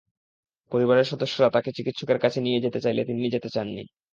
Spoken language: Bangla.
পরিবারের সদস্যরা তাঁকে চিকিৎসকের কাছে নিয়ে যেতে চাইলে তিনি যেতে চাননি।